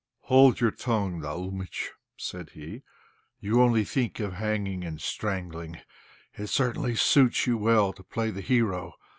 "Hold your tongue, Naúmitch," said he; "you only think of hanging and strangling. It certainly suits you well to play the hero.